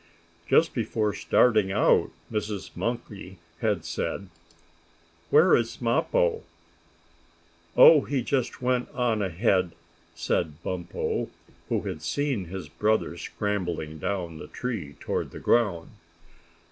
Just before starting out Mrs. Monkey had said: "Where is Mappo?" "Oh, he just went on ahead," said Bumpo, who had seen his brother scrambling down the tree toward the ground.